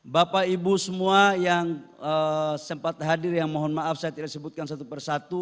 bapak ibu semua yang sempat hadir yang mohon maaf saya tidak sebutkan satu persatu